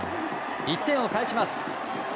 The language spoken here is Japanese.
１点を返します。